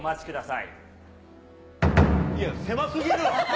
いや、狭すぎるわ。